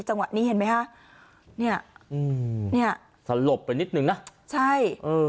จังหวะนี้เห็นไหมคะเนี่ยอืมเนี้ยสลบไปนิดนึงนะใช่เออ